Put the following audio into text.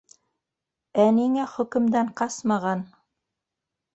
Ә ниңә хөкөмдән ҡасмаған?